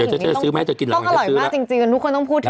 เดี๋ยวจะซื้อไหมจะกินหรืออย่างไรจะซื้อละต้องอร่อยมากจริงทุกคนต้องพูดถึง